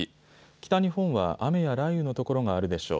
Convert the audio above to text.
北日本は雨や雷雨の所があるでしょう。